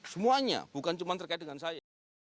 semuanya bukan cuma terkait dengan saya